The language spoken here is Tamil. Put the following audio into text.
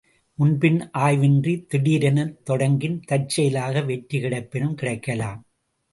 முன்பின் ஆய்வு இன்றித் திடீரெனத் தொடங்கின் தற்செயலாய் வெற்றி கிடைப்பினும் கிடைக்கலாம்.